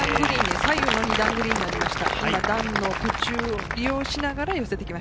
左右の２段グリーンになりました。